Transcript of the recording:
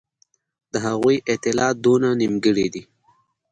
د هغوی اطلاعات دونه نیمګړي دي.